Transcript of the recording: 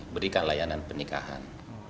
berikan layanan pernikahan